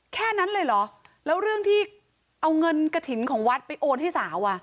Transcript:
แค่นั้นเลยเหรอแล้วเรื่องที่เอาเงินกระถิ่นของวัดไปโอนให้สาวอ่ะ